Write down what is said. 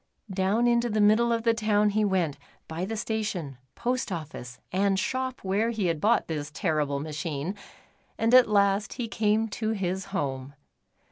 Down into the middle of the town he went, by the station, post office, and shop where he had bought this terrible machine, and at last he came to his home.